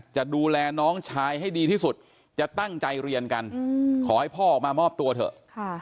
จะดูแลน้องชายให้ดีที่สุดจะตั้งใจเรียนกันขอให้พ่อออกมามอบตัวเถอะ